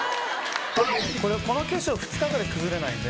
この化粧２日ぐらい崩れないんで。